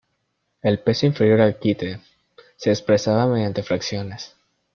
El peso inferior al kite se expresaba mediante fracciones.